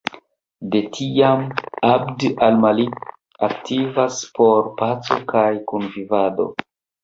De tiam, Abd al Malik aktivas por paco kaj kunvivado.